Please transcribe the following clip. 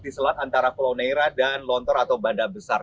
di selat antara pulau neira dan lontor atau bada besar